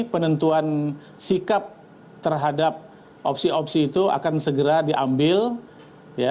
penentuan sikap terhadap opsi opsi itu akan segera diambil ya